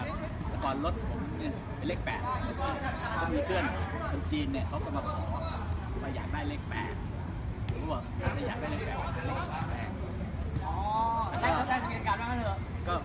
เราเคยคนชีวิตเมืองเดียวมันว่าอยากได้เลขแปรง